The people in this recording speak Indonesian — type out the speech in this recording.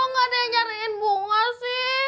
kok nggak ada yang nyariin bunga sih